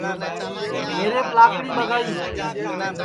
میریپ لاکڑی ٻگائی